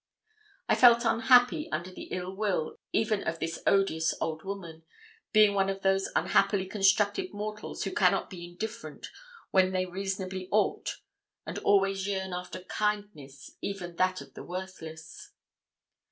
I felt unhappy under the ill will even of this odious old woman, being one of those unhappily constructed mortals who cannot be indifferent when they reasonably ought, and always yearn after kindness, even that of the worthless.